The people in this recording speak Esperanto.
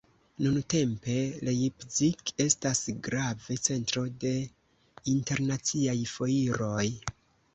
Nuntempe Leipzig estas grava centro de internaciaj foiroj.